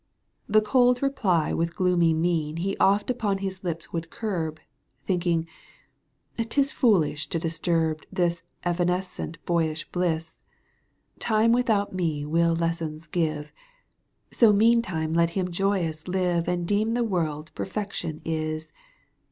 и The cold reply with gloomy mien ' He oft upon his lips would curb, Thinking : 'tis foolish to disturb This evanescent boyish bliss. Time without me will lessons give, So meantime let him joyous live ^ And deem the world perfection is